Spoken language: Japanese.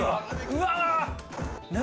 うわ！